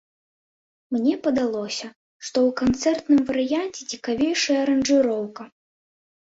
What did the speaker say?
Мне падалося, што ў канцэртным варыянце цікавейшая аранжыроўка.